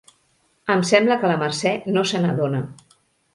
Em sembla que la Mercè no se n'adona.